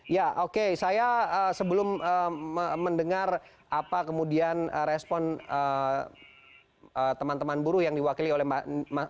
ya oke saya sebelum mendengar apa kemudian respon teman teman buruh yang diwakili oleh mbak